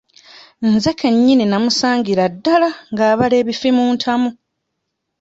Nze ke nnyini namusangira ddala ng'abala ebifi mu ntamu.